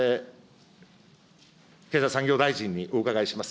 経済産業大臣にお伺いします。